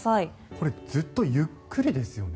これずっとゆっくりですよね。